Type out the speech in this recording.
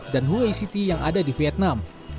dan hue city yang ada di vietnam